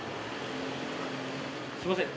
すみません。